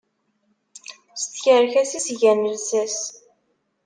S tkerkas i s-gan llsas.